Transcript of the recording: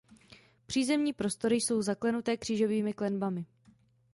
Přízemní prostory jsou zaklenuté křížovými klenbami.